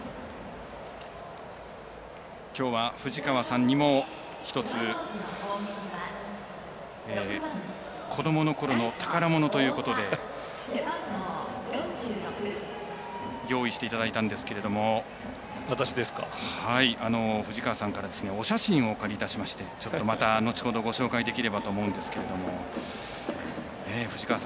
きょうは藤川さんにも１つ子どもの頃の宝物ということで用意していただいたんですけれども藤川さんからお写真をお借りいたしましてまた後ほど、ご紹介できればと思うんですけども。